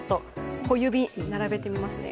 小指、並べてみますね。